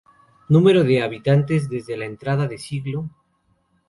Número de habitantes desde la entrada de siglo.